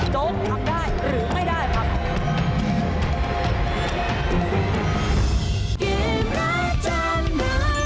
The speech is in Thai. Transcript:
โจ๊กทำได้หรือไม่ได้ครับ